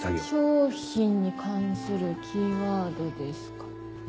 商品に関するキーワードですか。